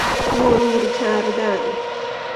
مرور کردن